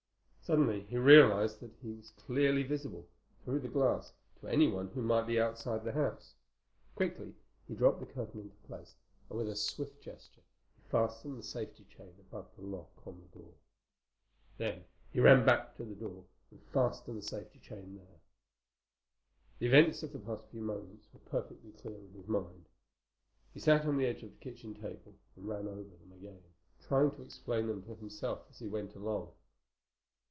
Suddenly he realized that he was clearly visible, through the glass, to anyone who might be outside the house. Quickly he dropped the curtain into place and with a swift gesture he fastened the safety chain above the lock on the door. Then he ran to the back door and fastened the safety chain there. The events of the past few moments were perfectly clear in his mind. He sat on the edge of the kitchen table and ran over them again, trying to explain them to himself as he went along.